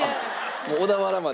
もう小田原まで？